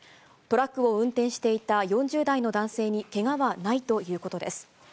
トラックを運転していた４０代の男性にけがはないということです。